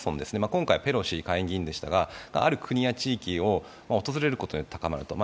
今回はペロシ氏でしたがある国や地域を訪れることによって高まると。